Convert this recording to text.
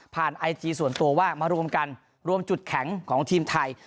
ไอจีส่วนตัวว่ามารวมกันรวมจุดแข็งของทีมไทย